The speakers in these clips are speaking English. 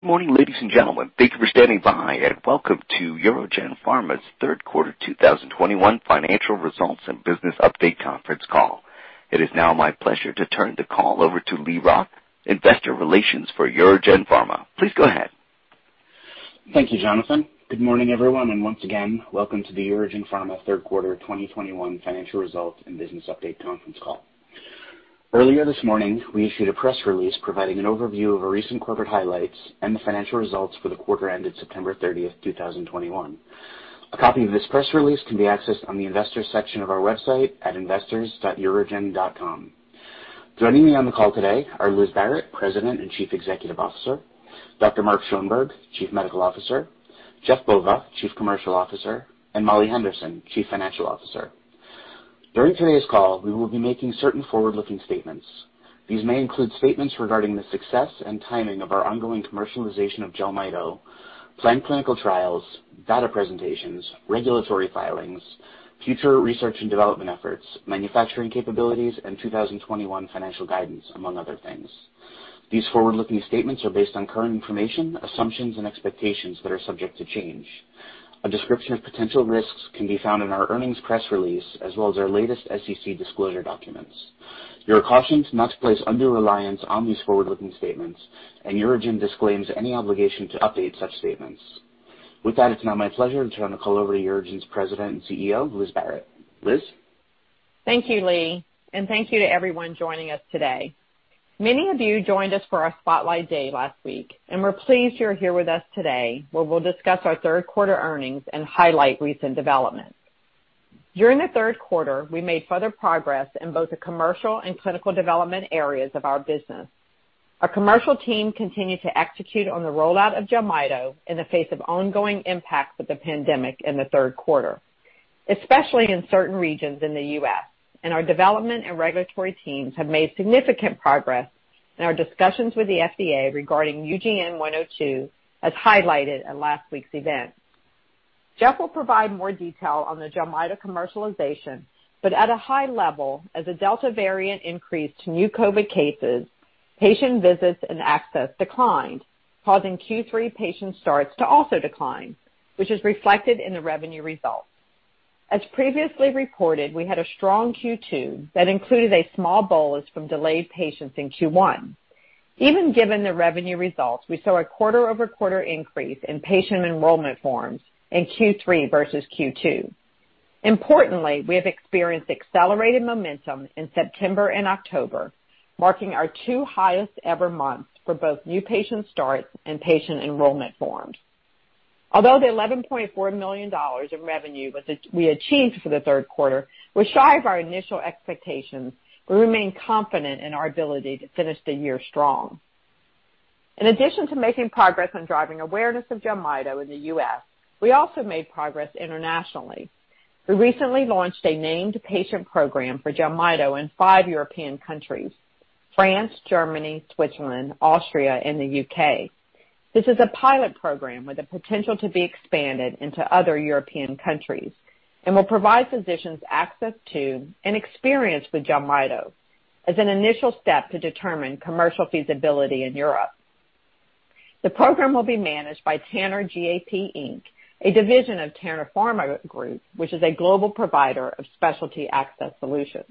Good morning, ladies and gentlemen. Thank you for standing by, and welcome to UroGen Pharma's third quarter 2021 financial results and business update conference call. It is now my pleasure to turn the call over to Lee Roth, Senior Vice President of Investor Relations for Burns McClellan. Please go ahead. Thank you, Jonathan. Good morning, everyone, and once again, welcome to the UroGen Pharma third quarter 2021 financial results and business update conference call. Earlier this morning, we issued a press release providing an overview of our recent corporate highlights and the financial results for the quarter ended September 30, 2021. A copy of this press release can be accessed on the investor section of our website at investors.urogen.com. Joining me on the call today are Liz Barrett, President and Chief Executive Officer, Dr. Mark Schoenberg, Chief Medical Officer, Jeff Bova, Chief Commercial Officer, and Molly Henderson, Chief Financial Officer. During today's call, we will be making certain forward-looking statements. These may include statements regarding the success and timing of our ongoing commercialization of Jelmyto, planned clinical trials, data presentations, regulatory filings, future research and development efforts, manufacturing capabilities, and 2021 financial guidance, among other things. These forward-looking statements are based on current information, assumptions, and expectations that are subject to change. A description of potential risks can be found in our earnings press release as well as our latest SEC disclosure documents. You are cautioned not to place undue reliance on these forward-looking statements, and UroGen disclaims any obligation to update such statements. With that, it's now my pleasure to turn the call over to UroGen's President and CEO, Liz Barrett. Liz? Thank you, Lee, and thank you to everyone joining us today. Many of you joined us for our spotlight day last week, and we're pleased you're here with us today, where we'll discuss our third quarter earnings and highlight recent developments. During the third quarter, we made further progress in both the commercial and clinical development areas of our business. Our commercial team continued to execute on the rollout of Jelmyto in the face of ongoing impacts of the pandemic in the third quarter, especially in certain regions in the U.S. Our development and regulatory teams have made significant progress in our discussions with the FDA regarding UGN-102, as highlighted at last week's event. Jeff will provide more detail on the Jelmyto commercialization, but at a high level, as the Delta variant increased new COVID cases, patient visits and access declined, causing Q3 patient starts to also decline, which is reflected in the revenue results. As previously reported, we had a strong Q2 that included a small bolus from delayed patients in Q1. Even given the revenue results, we saw a quarter-over-quarter increase in patient enrollment forms in Q3 versus Q2. Importantly, we have experienced accelerated momentum in September and October, marking our two highest ever months for both new patient starts and patient enrollment forms. Although the $11.4 million of revenue we achieved for the third quarter was shy of our initial expectations, we remain confident in our ability to finish the year strong. In addition to making progress on driving awareness of Jelmyto in the U.S., we also made progress internationally. We recently launched a named patient program for Jelmyto in five European countries, France, Germany, Switzerland, Austria, and the U.K. This is a pilot program with the potential to be expanded into other European countries and will provide physicians access to and experience with Jelmyto as an initial step to determine commercial feasibility in Europe. The program will be managed by TannerGAP, Inc., a division of Tanner Pharma Group, which is a global provider of specialty access solutions.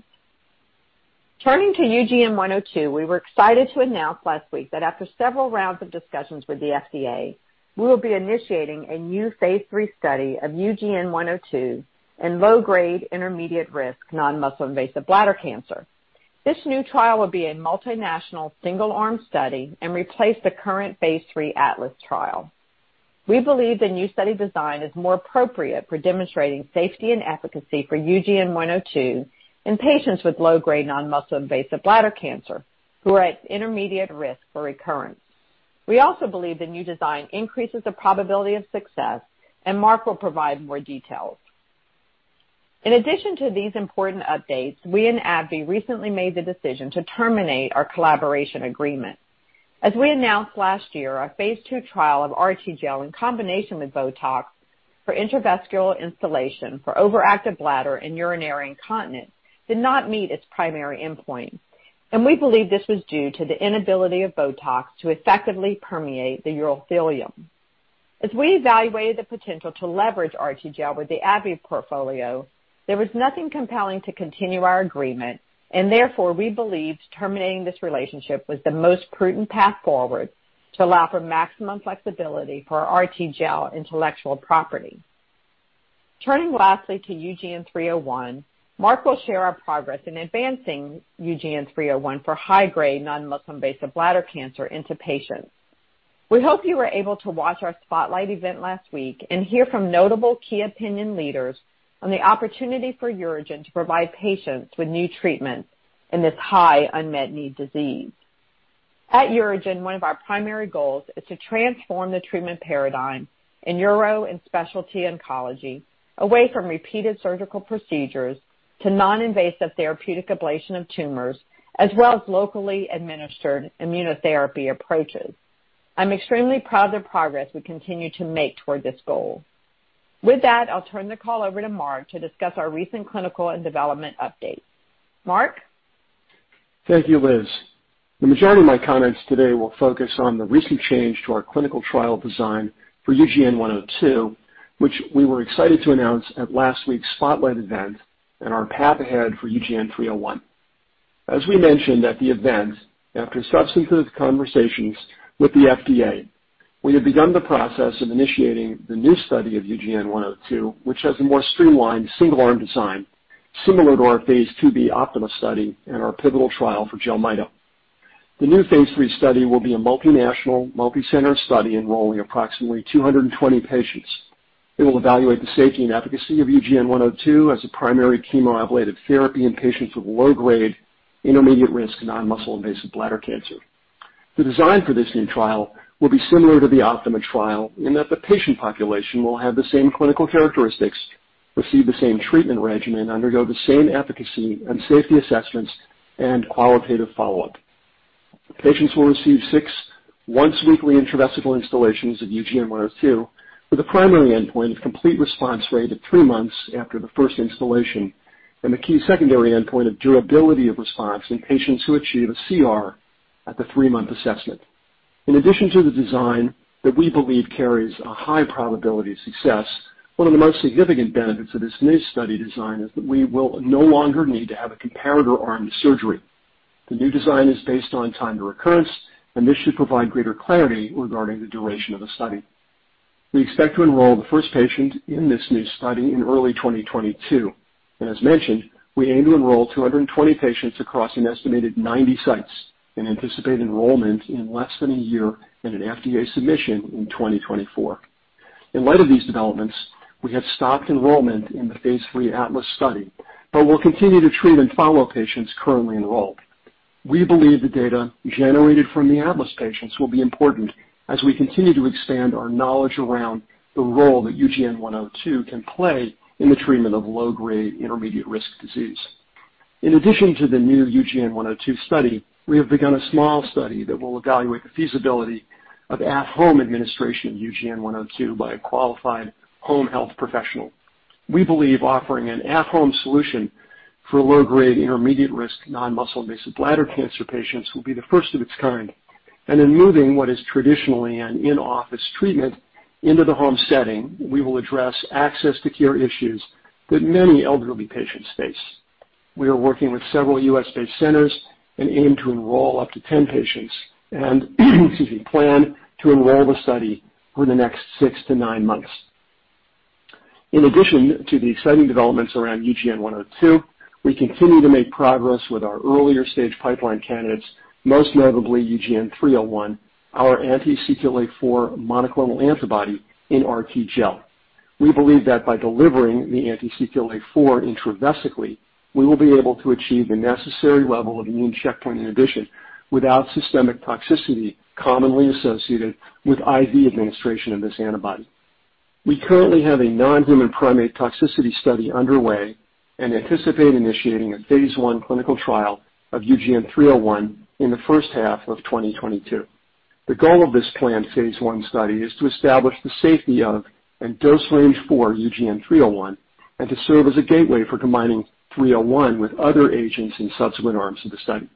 Turning to UGN-102, we were excited to announce last week that after several rounds of discussions with the FDA, we will be initiating a new phase III study of UGN-102 in low-grade intermediate risk non-muscle invasive bladder cancer. This new trial will be a multinational single-arm study and replace the current phase III ATLAS trial. We believe the new study design is more appropriate for demonstrating safety and efficacy for UGN-102 in patients with low-grade non-muscle invasive bladder cancer who are at intermediate risk for recurrence. We also believe the new design increases the probability of success, and Mark will provide more details. In addition to these important updates, we and AbbVie recently made the decision to terminate our collaboration agreement. As we announced last year, our phase II trial of RTGel in combination with Botox for intravesical instillation for overactive bladder and urinary incontinence did not meet its primary endpoint, and we believe this was due to the inability of Botox to effectively permeate the urothelium. As we evaluated the potential to leverage RTGel with the AbbVie portfolio, there was nothing compelling to continue our agreement, and therefore, we believed terminating this relationship was the most prudent path forward to allow for maximum flexibility for our RTGel intellectual property. Turning lastly to UGN-301, Mark will share our progress in advancing UGN-301 for high-grade non-muscle invasive bladder cancer into patients. We hope you were able to watch our spotlight event last week and hear from notable key opinion leaders on the opportunity for UroGen to provide patients with new treatments in this high unmet need disease. At UroGen, one of our primary goals is to transform the treatment paradigm in uro and specialty oncology away from repeated surgical procedures to non-invasive therapeutic ablation of tumors as well as locally administered immunotherapy approaches. I'm extremely proud of the progress we continue to make toward this goal. With that, I'll turn the call over to Mark to discuss our recent clinical and development updates. Mark? Thank you, Liz. The majority of my comments today will focus on the recent change to our clinical trial design for UGN-102, which we were excited to announce at last week's Spotlight event and our path ahead for UGN-301. As we mentioned at the event, after substantive conversations with the FDA, we have begun the process of initiating the new study of UGN-102, which has a more streamlined single-arm design similar to our phase IIb OPTIMA study and our pivotal trial for Jelmyto. The new phase III study will be a multinational, multicenter study enrolling approximately 220 patients. It will evaluate the safety and efficacy of UGN-102 as a primary chemoablative therapy in patients with low-grade intermediate-risk non-muscle invasive bladder cancer. The design for this new trial will be similar to the OPTIMA trial in that the patient population will have the same clinical characteristics, receive the same treatment regimen, undergo the same efficacy and safety assessments, and qualitative follow-up. Patients will receive six once weekly intravesical installations of UGN-102 with a primary endpoint of complete response rate at three months after the first installation and the key secondary endpoint of durability of response in patients who achieve a CR at the three-month assessment. In addition to the design that we believe carries a high probability of success, one of the most significant benefits of this new study design is that we will no longer need to have a comparator arm to surgery. The new design is based on time to recurrence, and this should provide greater clarity regarding the duration of the study. We expect to enroll the first patient in this new study in early 2022. As mentioned, we aim to enroll 220 patients across an estimated 90 sites and anticipate enrollment in less than a year and an FDA submission in 2024. In light of these developments, we have stopped enrollment in the phase III ATLAS study, but we'll continue to treat and follow patients currently enrolled. We believe the data generated from the ATLAS patients will be important as we continue to expand our knowledge around the role that UGN-102 can play in the treatment of low-grade intermediate risk disease. In addition to the new UGN-102 study, we have begun a small study that will evaluate the feasibility of at-home administration of UGN-102 by a qualified home health professional. We believe offering an at-home solution for low-grade intermediate risk non-muscle invasive bladder cancer patients will be the first of its kind. In moving what is traditionally an in-office treatment into the home setting, we will address access to care issues that many elderly patients face. We are working with several U.S.-based centers and aim to enroll up to 10 patients and excuse me, plan to enroll the study over the next 6-9 months. In addition to the exciting developments around UGN-102, we continue to make progress with our earlier stage pipeline candidates, most notably UGN-301, our anti-CTLA-4 monoclonal antibody in RTGel. We believe that by delivering the anti-CTLA-4 intravesically, we will be able to achieve the necessary level of immune checkpoint inhibition without systemic toxicity commonly associated with IV administration of this antibody. We currently have a non-human primate toxicity study underway and anticipate initiating a phase I clinical trial of UGN-301 in the first half of 2022. The goal of this planned phase I study is to establish the safety of and dose range for UGN-301 and to serve as a gateway for combining 301 with other agents in subsequent arms of the study.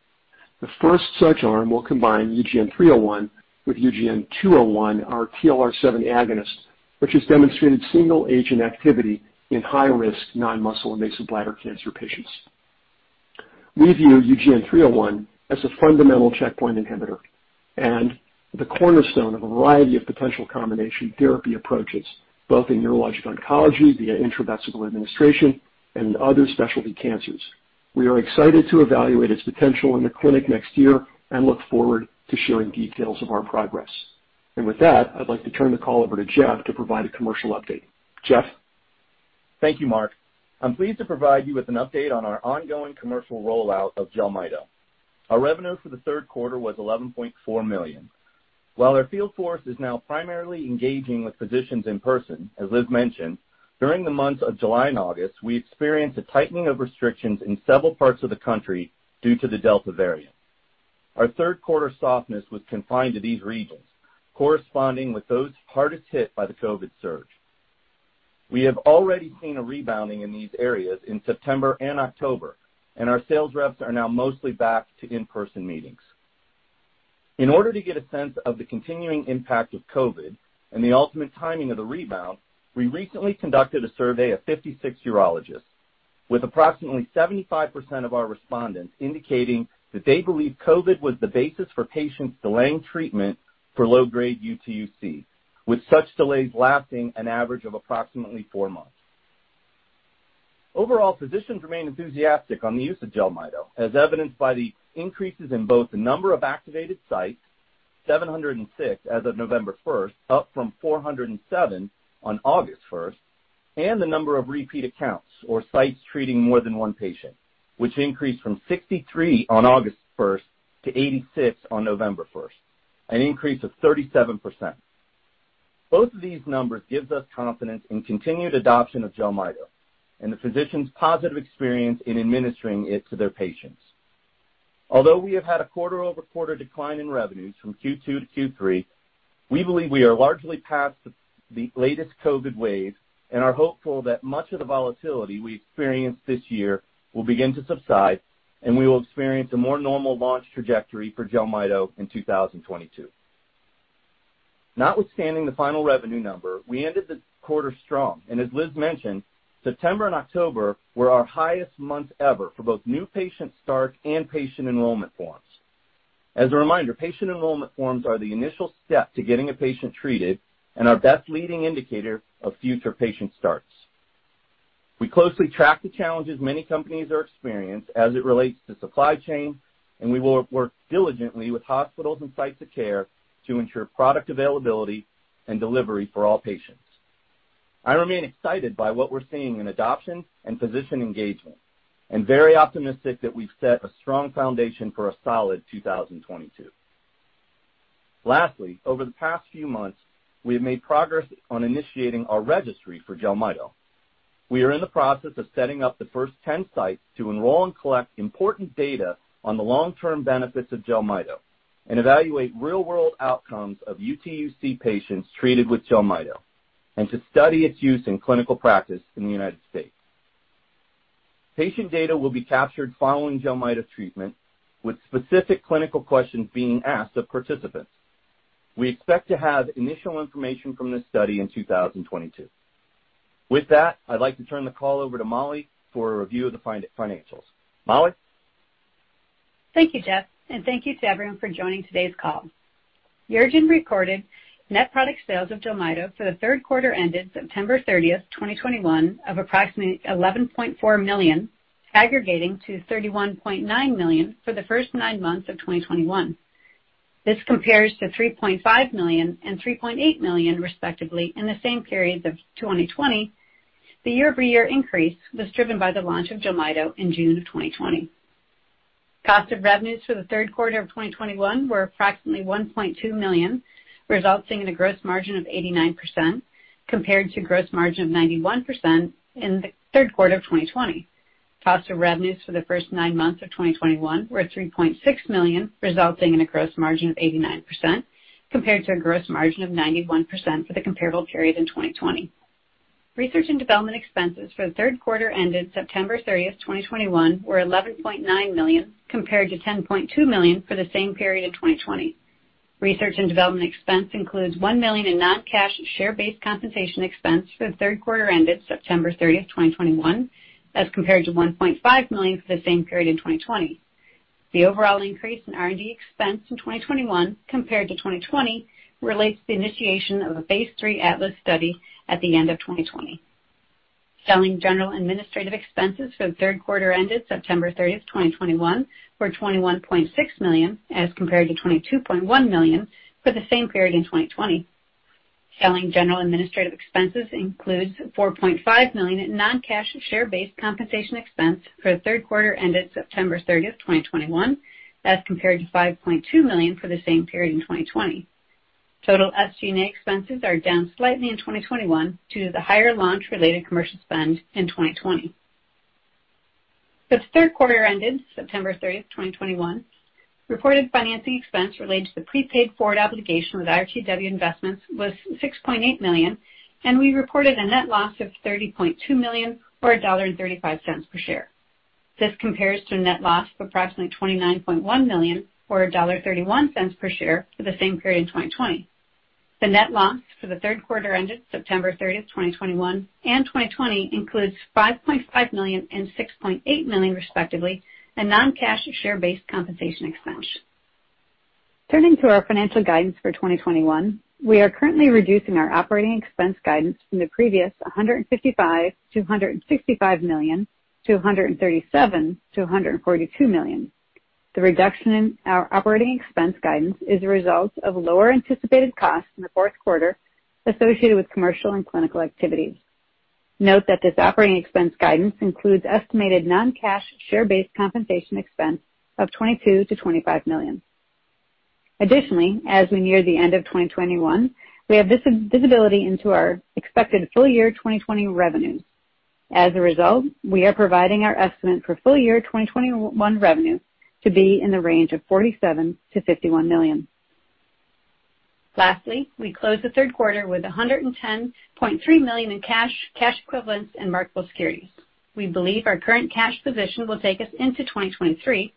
The first such arm will combine UGN-301 with UGN-201, our TLR7 agonist, which has demonstrated single agent activity in high-risk non-muscle invasive bladder cancer patients. We view UGN-301 as a fundamental checkpoint inhibitor and the cornerstone of a variety of potential combination therapy approaches, both in urologic oncology via intravesical administration and other specialty cancers. We are excited to evaluate its potential in the clinic next year and look forward to sharing details of our progress. With that, I'd like to turn the call over to Jeff to provide a commercial update. Jeff? Thank you, Mark. I'm pleased to provide you with an update on our ongoing commercial rollout of Jelmyto. Our revenue for the third quarter was $11.4 million. While our field force is now primarily engaging with physicians in person, as Liz mentioned, during the months of July and August, we experienced a tightening of restrictions in several parts of the country due to the Delta variant. Our third quarter softness was confined to these regions, corresponding with those hardest hit by the COVID surge. We have already seen a rebounding in these areas in September and October, and our sales reps are now mostly back to in-person meetings. In order to get a sense of the continuing impact of COVID and the ultimate timing of the rebound, we recently conducted a survey of 56 urologists, with approximately 75% of our respondents indicating that they believe COVID was the basis for patients delaying treatment for low-grade UTUC, with such delays lasting an average of approximately 4 months. Overall, physicians remain enthusiastic on the use of Jelmyto, as evidenced by the increases in both the number of activated sites, 706 as of November 1st, up from 407 on August 1st, and the number of repeat accounts or sites treating more than one patient, which increased from 63 on August 1st to 86 on November 1st, an increase of 37%. Both of these numbers gives us confidence in continued adoption of Jelmyto and the physicians' positive experience in administering it to their patients. Although we have had a quarter-over-quarter decline in revenues from Q2 to Q3. We believe we are largely past the latest COVID wave and are hopeful that much of the volatility we experienced this year will begin to subside, and we will experience a more normal launch trajectory for Jelmyto in 2022. Notwithstanding the final revenue number, we ended the quarter strong. As Liz mentioned, September and October were our highest months ever for both new patient start and patient enrollment forms. As a reminder, patient enrollment forms are the initial step to getting a patient treated and our best leading indicator of future patient starts. We closely track the challenges many companies are experiencing as it relates to supply chain, and we will work diligently with hospitals and sites of care to ensure product availability and delivery for all patients. I remain excited by what we're seeing in adoption and physician engagement, and very optimistic that we've set a strong foundation for a solid 2022. Lastly, over the past few months, we have made progress on initiating our registry for Jelmyto. We are in the process of setting up the first 10 sites to enroll and collect important data on the long-term benefits of Jelmyto and evaluate real-world outcomes of UTUC patients treated with Jelmyto and to study its use in clinical practice in the United States. Patient data will be captured following Jelmyto treatment, with specific clinical questions being asked of participants. We expect to have initial information from this study in 2022. With that, I'd like to turn the call over to Molly for a review of the financials. Molly? Thank you, Jeff, and thank you to everyone for joining today's call. UroGen recorded net product sales of Jelmyto for the third quarter ended September 30th, 2021 of approximately $11.4 million, aggregating to $31.9 million for the first nine months of 2021. This compares to $3.5 million and $3.8 million, respectively, in the same periods of 2020. The year-over-year increase was driven by the launch of Jelmyto in June of 2020. Cost of revenues for the third quarter of 2021 were approximately $1.2 million, resulting in a gross margin of 89% compared to gross margin of 91% in the third quarter of 2020. Cost of revenues for the first 9 months of 2021 were $3.6 million, resulting in a gross margin of 89% compared to a gross margin of 91% for the comparable period in 2020. Research and development expenses for the third quarter ended September 30, 2021 were $11.9 million compared to $10.2 million for the same period in 2020. Research and development expense includes $1 million in non-cash share-based compensation expense for the third quarter ended September 30, 2021, as compared to $1.5 million for the same period in 2020. The overall increase in R&D expense in 2021 compared to 2020 relates to the initiation of a phase III ATLAS study at the end of 2020. Selling, general, and administrative expenses for the third quarter ended September 30, 2021 were $21.6 million, as compared to $22.1 million for the same period in 2020. Selling general administrative expenses includes $4.5 million in non-cash share-based compensation expense for the third quarter ended September 30, 2021, as compared to $5.2 million for the same period in 2020. Total SG&A expenses are down slightly in 2021 due to the higher launch-related commercial spend in 2020. For the third quarter ended September 30, 2021, reported financing expense related to the prepaid forward obligation with RTW Investments was $6.8 million, and we reported a net loss of $30.2 million or $1.35 per share. This compares to a net loss of approximately $29.1 million or $1.31 per share for the same period in 2020. The net loss for the third quarter ended September 30, 2021 and 2020 includes $5.5 million and $6.8 million, respectively, in non-cash share-based compensation expense. Turning to our financial guidance for 2021, we are currently reducing our operating expense guidance from the previous $155 million-$165 million to $137 million-$142 million. The reduction in our operating expense guidance is a result of lower anticipated costs in the fourth quarter associated with commercial and clinical activities. Note that this operating expense guidance includes estimated non-cash share-based compensation expense of $22 million-$25 million. Additionally, as we near the end of 2021, we have visibility into our expected full year 2021 revenue. As a result, we are providing our estimate for full year 2021 revenue to be in the range of $47 million-$51 million. Lastly, we closed the third quarter with $110.3 million in cash equivalents, and marketable securities. We believe our current cash position will take us into 2023.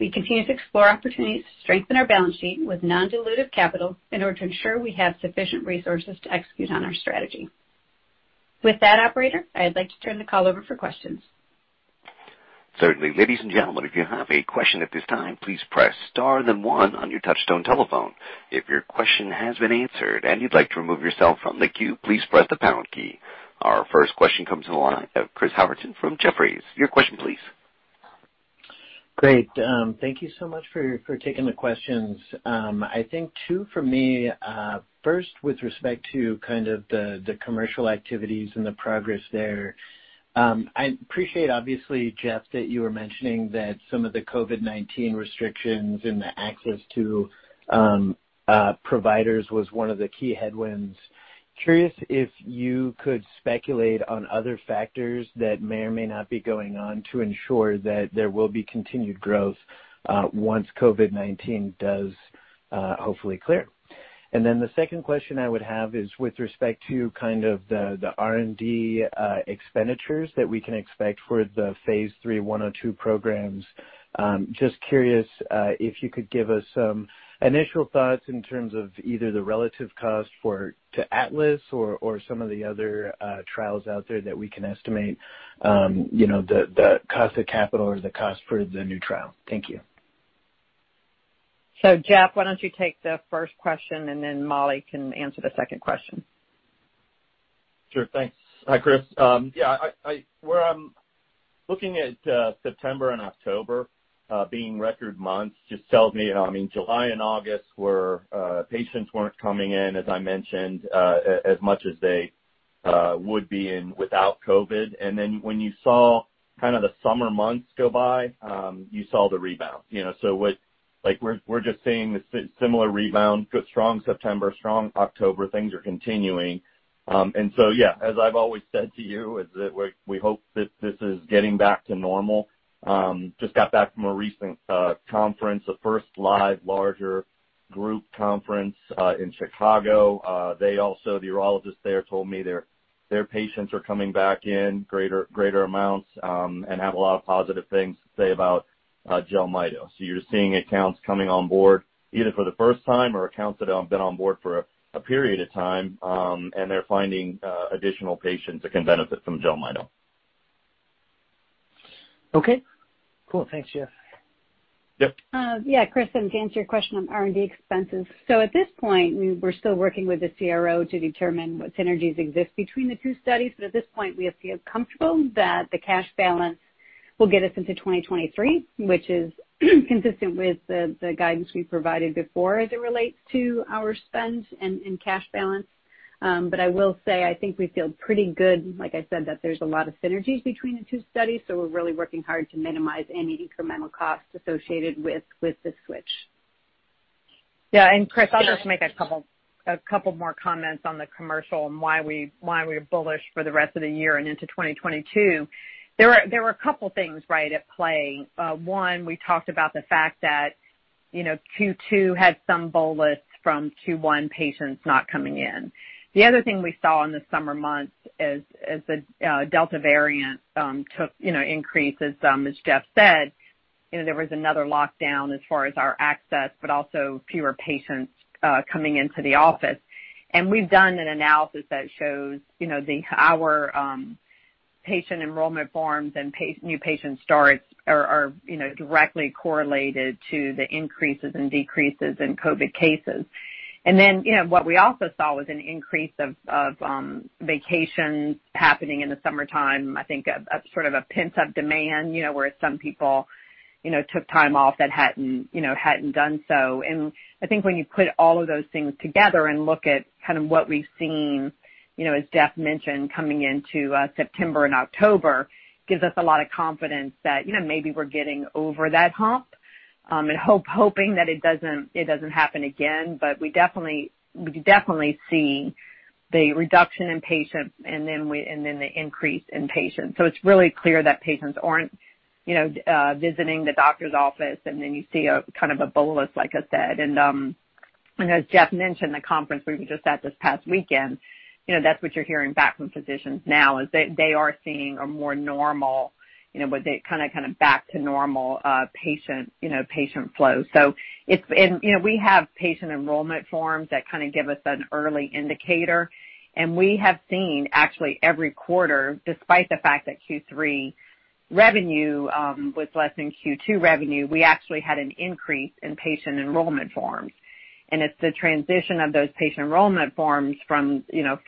We continue to explore opportunities to strengthen our balance sheet with non-dilutive capital in order to ensure we have sufficient resources to execute on our strategy. With that, operator, I'd like to turn the call over for questions. Certainly. Ladies and gentlemen, if you have a question at this time, please press star then one on your touchtone telephone. If your question has been answered and you'd like to remove yourself from the queue, please press the pound key. Our first question comes from Chris Howerton from Jefferies. Your question please. Great. Thank you so much for taking the questions. I think two for me. First, with respect to kind of the commercial activities and the progress there, I appreciate obviously, Jeff, that you were mentioning that some of the COVID-19 restrictions and the access to providers was one of the key headwinds. Curious if you could speculate on other factors that may or may not be going on to ensure that there will be continued growth once COVID-19 does hopefully clear. The second question I would have is with respect to kind of the R&D expenditures that we can expect for the phase III 102 programs. Just curious, if you could give us some initial thoughts in terms of either the relative cost to ATLAS or some of the other trials out there that we can estimate, you know, the cost of capital or the cost for the new trial. Thank you. Jeff, why don't you take the first question, and then Molly can answer the second question. Sure. Thanks. Hi, Chris. Yeah, where I'm looking at September and October being record months just tells me, I mean, July and August were patients weren't coming in, as I mentioned, as much as they would be in without COVID. When you saw kind of the summer months go by, you saw the rebound, you know, like we're just seeing a similar rebound. Good, strong September, strong October things are continuing. Yeah, as I've always said to you, is that we hope that this is getting back to normal. Just got back from a recent conference, the first live larger group conference in Chicago. They also, the urologist there told me their patients are coming back in greater amounts, and have a lot of positive things to say about Jelmyto. You're seeing accounts coming on board either for the first time or accounts that have been on board for a period of time, and they're finding additional patients that can benefit from Jelmyto. Okay. Cool. Thanks, Jeff. Yep. Yeah, Chris, to answer your question on R&D expenses. At this point, we're still working with the CRO to determine what synergies exist between the two studies. At this point, we feel comfortable that the cash balance will get us into 2023, which is consistent with the guidance we provided before as it relates to our spend and cash balance. I will say, I think we feel pretty good, like I said, that there's a lot of synergies between the two studies, so we're really working hard to minimize any incremental costs associated with the switch. Chris, I'll just make a couple more comments on the commercial and why we're bullish for the rest of the year and into 2022. There were a couple things at play. One, we talked about the fact that Q2 had some bolus from Q1 patients not coming in. The other thing we saw in the summer months as the Delta variant increases, as Jeff said, there was another lockdown as far as our access, but also fewer patients coming into the office. We've done an analysis that shows our patient enrollment forms and new patient starts are directly correlated to the increases and decreases in COVID cases. You know, what we also saw was an increase of vacations happening in the summertime. I think a sort of pent-up demand, you know, where some people, you know, took time off that hadn't done so. I think when you put all of those things together and look at kind of what we've seen, you know, as Jeff mentioned, coming into September and October, gives us a lot of confidence that, you know, maybe we're getting over that hump, and hoping that it doesn't happen again. We definitely see the reduction in patients and then the increase in patients. It's really clear that patients aren't, you know, visiting the doctor's office, and then you see a kind of bolus, like I said. As Jeff mentioned, the conference we were just at this past weekend, you know, that's what you're hearing back from physicians now is they are seeing a more normal, you know, what they kind of back to normal, patient, you know, patient flow. You know, we have patient enrollment forms that kind of give us an early indicator. We have seen actually every quarter, despite the fact that Q3 revenue was less than Q2 revenue, we actually had an increase in patient enrollment forms. It's the transition of those patient enrollment forms from, you know,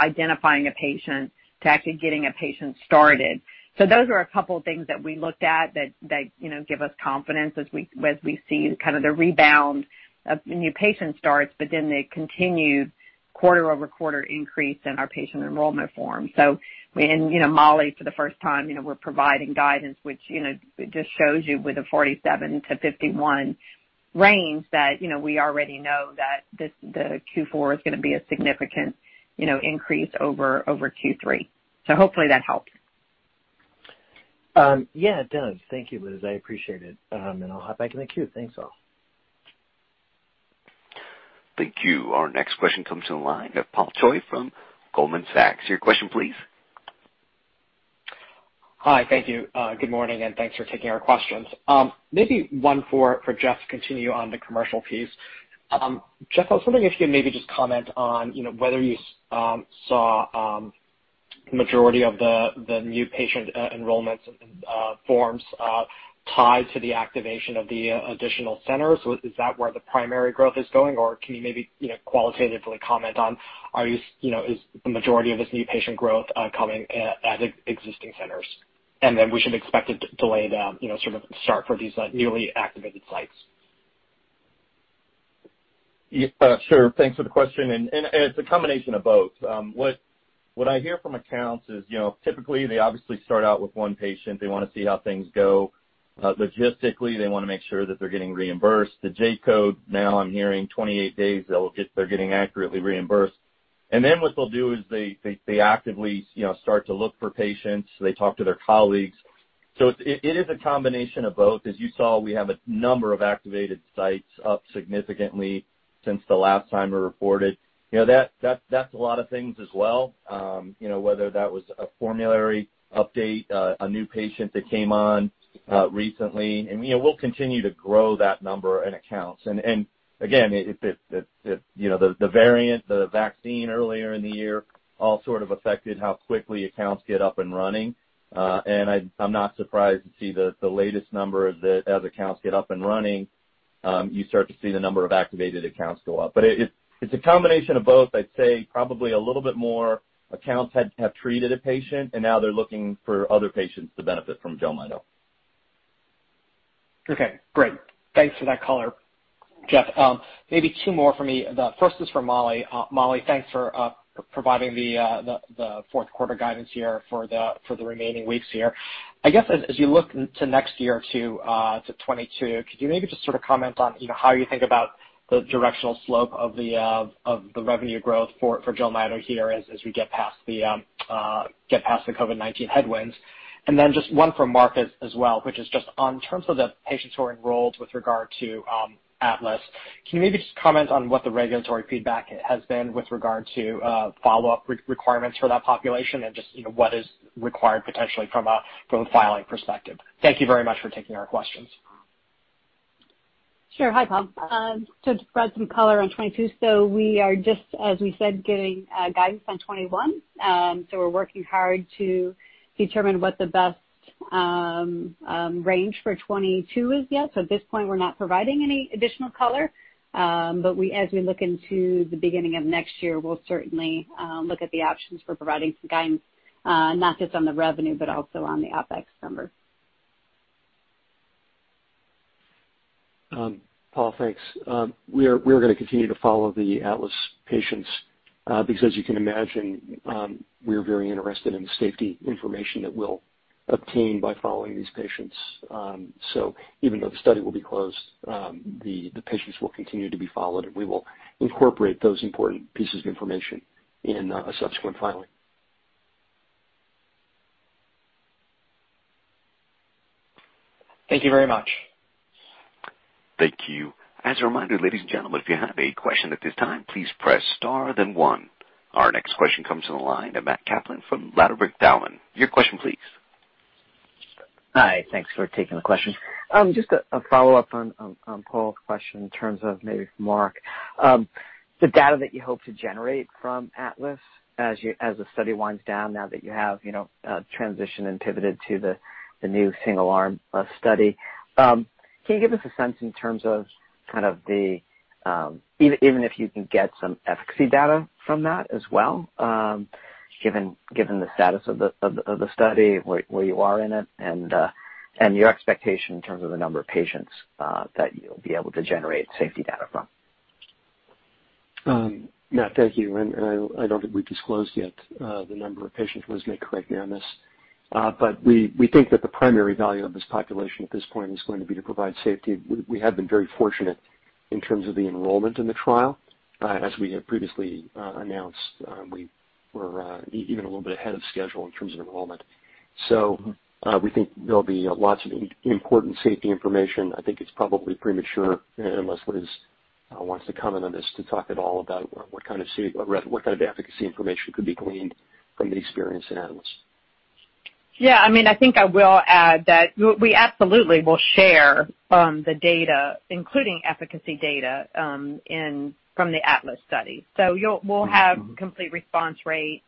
identifying a patient to actually getting a patient started. Those are a couple of things that we looked at that, you know, give us confidence as we see kind of the rebound of new patient starts, but then the continued quarter-over-quarter increase in our patient enrollment from. You know, Molly, for the first time, you know, we're providing guidance, which, you know, just shows you with a 47-51 range that, you know, we already know that this the Q4 is gonna be a significant, you know, increase over Q3. Hopefully that helps. Yeah, it does. Thank you, Liz. I appreciate it. I'll hop back in the queue. Thanks, all. Thank you. Our next question comes to the line of Paul Choi from Goldman Sachs. Your question, please. Hi. Thank you. Good morning, and thanks for taking our questions. Maybe one for Jeff to continue on the commercial piece. Jeff, I was wondering if you could maybe just comment on, you know, whether you saw majority of the new patient enrollment forms tied to the activation of the additional centers. Is that where the primary growth is going? Or can you maybe, you know, qualitatively comment on, you know, is the majority of this new patient growth coming at existing centers? And then we should expect a delay, you know, sort of start for these newly activated sites. Yeah, sure. Thanks for the question. It's a combination of both. What I hear from accounts is, you know, typically they obviously start out with one patient. They want to see how things go. Logistically, they want to make sure that they're getting reimbursed. The J-code, now I'm hearing 28 days they're getting accurately reimbursed. Then what they'll do is they actively, you know, start to look for patients. They talk to their colleagues. It is a combination of both. As you saw, we have a number of activated sites up significantly since the last time we reported. You know, that's a lot of things as well, you know, whether that was a formulary update, a new patient that came on, recently. You know, we'll continue to grow that number in accounts. Again, if it, you know, the variant, the vaccine earlier in the year all sort of affected how quickly accounts get up and running. I'm not surprised to see the latest numbers that as accounts get up and running, you start to see the number of activated accounts go up. It's a combination of both. I'd say probably a little bit more accounts have treated a patient, and now they're looking for other patients to benefit from Jelmyto. Okay, great. Thanks for that color, Jeff. Maybe two more for me. The first is for Molly. Molly, thanks for providing the fourth quarter guidance here for the remaining weeks here. I guess as you look to next year to 2022, could you maybe just sort of comment on, you know, how you think about the directional slope of the revenue growth for Jelmyto here as we get past the COVID-19 headwinds? Just one for Mark as well, which is just in terms of the patients who are enrolled with regard to ATLAS. Can you maybe just comment on what the regulatory feedback has been with regard to follow-up requirements for that population and just, you know, what is required potentially from a filing perspective? Thank you very much for taking our questions. Sure. Hi, Paul. To add some color on 2022, we are just, as we said, getting guidance on 2021. We're working hard to determine what the best range for 2022 is yet. At this point, we're not providing any additional color. As we look into the beginning of next year, we'll certainly look at the options for providing some guidance, not just on the revenue, but also on the OpEx number. Paul, thanks. We are gonna continue to follow the ATLAS patients, because you can imagine, we're very interested in the safety information that we'll obtain by following these patients. Even though the study will be closed, the patients will continue to be followed, and we will incorporate those important pieces of information in a subsequent filing. Thank you very much. Thank you. As a reminder, ladies and gentlemen, if you have a question at this time, please press star then one. Our next question comes from the line of Matt Kaplan from Ladenburg Thalmann. Your question please. Hi. Thanks for taking the question. Just a follow-up on Paul's question in terms of maybe for Mark. The data that you hope to generate from ATLAS as the study winds down now that you have, you know, transitioned and pivoted to the new single arm study. Can you give us a sense in terms of kind of the even if you can get some efficacy data from that as well, given the status of the study, where you are in it and your expectation in terms of the number of patients that you'll be able to generate safety data from? Matt, thank you. I don't think we've disclosed yet the number of patients. Liz may correct me on this. We think that the primary value of this population at this point is going to be to provide safety. We have been very fortunate in terms of the enrollment in the trial. As we had previously announced, we were even a little bit ahead of schedule in terms of enrollment. We think there'll be lots of important safety information. I think it's probably premature unless Liz wants to comment on this to talk at all about what kind of efficacy information could be gleaned from the experience in ATLAS. Yeah, I mean, I think I will add that we absolutely will share the data, including efficacy data from the ATLAS study. So we'll have complete response rates.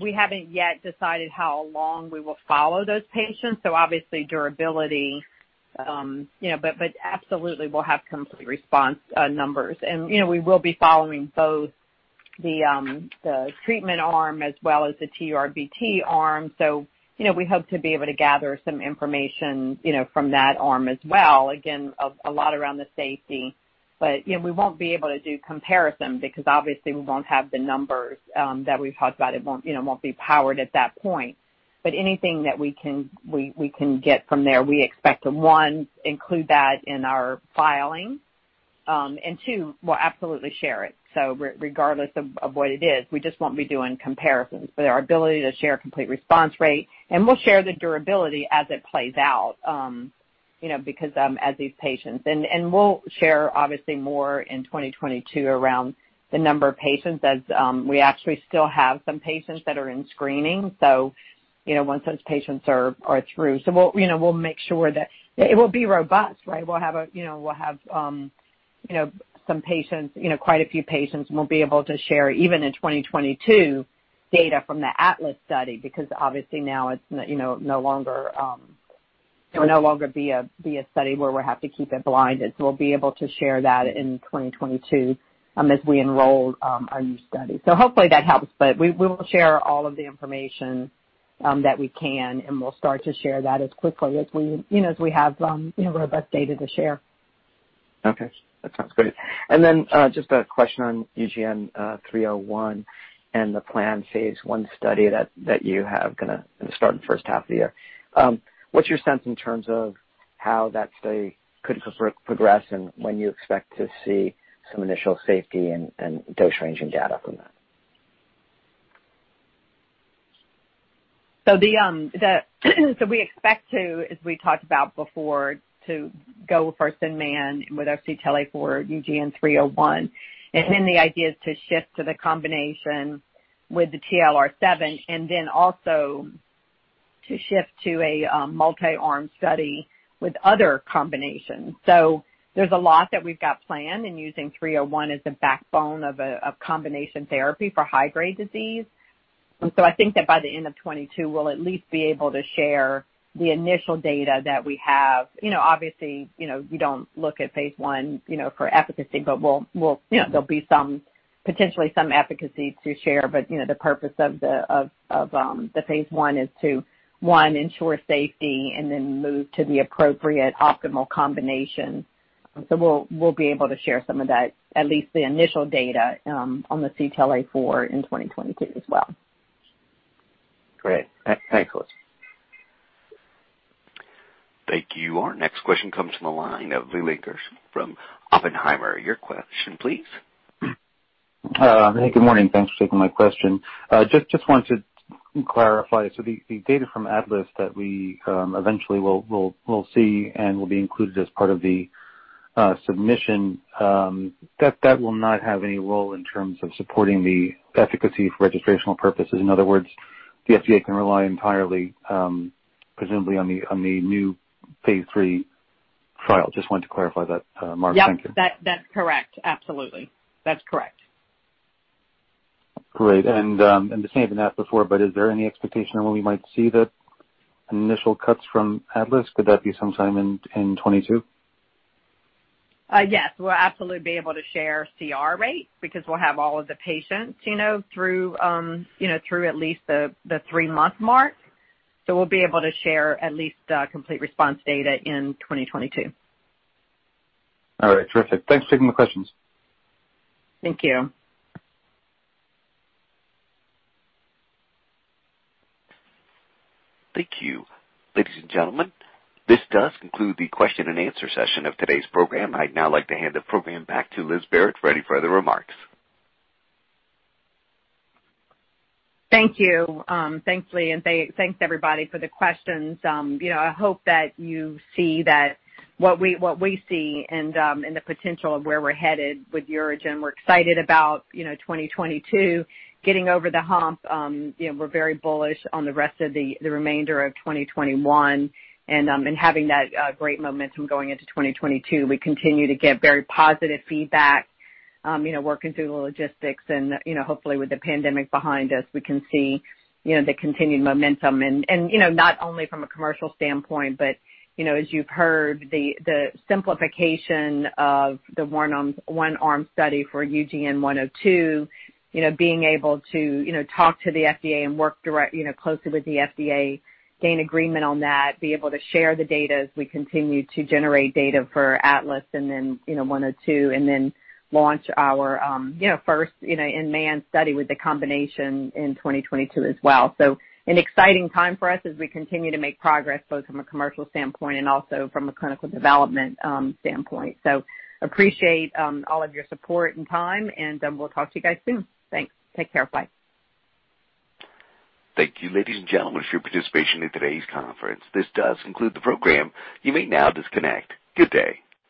We haven't yet decided how long we will follow those patients, so obviously durability. You know, but absolutely we'll have complete response numbers. You know, we will be following both the treatment arm as well as the TURBT arm. So, you know, we hope to be able to gather some information, you know, from that arm as well, again, a lot around the safety. But, you know, we won't be able to do comparison because obviously we won't have the numbers that we've talked about. It won't, you know, be powered at that point. Anything that we can get from there, we expect to one, include that in our filing, and two, we'll absolutely share it. Regardless of what it is, we just won't be doing comparisons. Our ability to share complete response rate, and we'll share the durability as it plays out, you know, because as these patients, and we'll share obviously more in 2022 around the number of patients as we actually still have some patients that are in screening. You know, once those patients are through, we'll, you know, make sure that it will be robust, right? We'll have, you know, some patients, quite a few patients, and we'll be able to share even in 2022 data from the ATLAS study because obviously now it will no longer be a study where we have to keep it blinded. We'll be able to share that in 2022 as we enroll our new study. Hopefully that helps. We will share all of the information that we can, and we'll start to share that as quickly as we, you know, as we have robust data to share. Okay, that sounds great. Just a question on UGN-301 and the planned phase I study that you're gonna start in the first half of the year. What's your sense in terms of how that study could progress and when you expect to see some initial safety and dose ranging data from that? We expect to, as we talked about before, to go first in man with our CTLA-4 UGN-301. Then the idea is to shift to the combination with the TLR7 and then also to shift to a multi-arm study with other combinations. There's a lot that we've got planned, and using 301 as a backbone of a combination therapy for high-grade disease. I think that by the end of 2022 we'll at least be able to share the initial data that we have. You know, obviously, you know, you don't look at phase I, you know, for efficacy, but we'll, you know, there'll be some, potentially some efficacy to share. You know, the purpose of the phase I is to ensure safety and then move to the appropriate optimal combination. We'll be able to share some of that, at least the initial data, on the CTLA-4 in 2022 as well. Great. Thanks, Liz. Thank you. Our next question comes from the line of Leland Gershell from Oppenheimer. Your question please. Hey, good morning. Thanks for taking my question. Just wanted to clarify. The data from ATLAS that we eventually will see and will be included as part of the submission that will not have any role in terms of supporting the efficacy for registrational purposes. In other words, the FDA can rely entirely, presumably on the new phase III trial. Just wanted to clarify that, Mark. Thank you. Yep. That's correct. Absolutely. That's correct. Great. The same as that before, but is there any expectation on when we might see the initial cuts from ATLAS? Could that be sometime in 2022? Yes. We'll absolutely be able to share CR rate because we'll have all of the patients, you know, through at least the three-month mark. We'll be able to share at least the complete response data in 2022. All right. Terrific. Thanks for taking the questions. Thank you. Thank you. Ladies and gentlemen, this does conclude the question and answer session of today's program. I'd now like to hand the program back to Liz Barrett for any further remarks. Thank you. Thanks, Lee, and thanks everybody for the questions. You know, I hope that you see that what we see and the potential of where we're headed with UroGen. We're excited about, you know, 2022, getting over the hump. You know, we're very bullish on the rest of the remainder of 2021 and having that great momentum going into 2022. We continue to get very positive feedback, you know, working through the logistics and, you know, hopefully with the pandemic behind us, we can see, you know, the continued momentum and, you know, not only from a commercial standpoint, but, you know, as you've heard, the simplification of the one-arm study for UGN-102, you know, being able to, you know, talk to the FDA and work directly with the FDA, gain agreement on that, be able to share the data as we continue to generate data for ATLAS and then, you know, 102 and then launch our, you know, first, you know, in-man study with the combination in 2022 as well. So an exciting time for us as we continue to make progress, both from a commercial standpoint and also from a clinical development standpoint. I appreciate all of your support and time, and we'll talk to you guys soon. Thanks. Take care. Bye. Thank you, ladies and gentlemen, for your participation in today's conference. This does conclude the program. You may now disconnect. Good day.